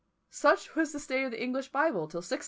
Such was the state of the English Bible till 1660!